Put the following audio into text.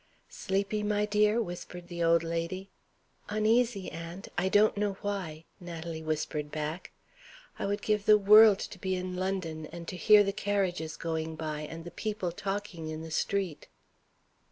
"Sleepy, my dear?" whispered the old lady. "Uneasy, aunt I don't know why," Natalie whispered back. "I would give the world to be in London, and to hear the carriages going by, and the people talking in the street."